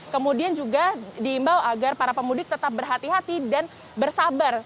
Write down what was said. kemudian juga diimbau agar para pemudik tetap berhati hati dan bersabar